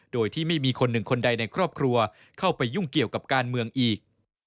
โดยที่ไม่มีคนหนึ่งคนใดในครอบครัวเข้าไปยุ่งเกี่ยวกับการเมืองอีก